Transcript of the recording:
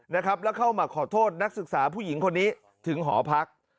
นะครับแล้วเข้ามาขอโทษนักศึกษาผู้หญิงคนนี้ถึงหอพัก